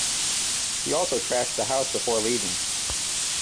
He also trashed the house before leaving.